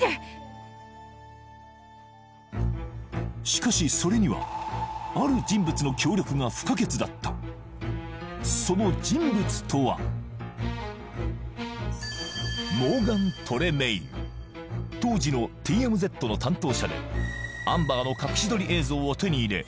しかしそれにはある人物の協力が不可欠だったその人物とは当時のＴＭＺの担当者でアンバーの隠し撮り映像を手に入れ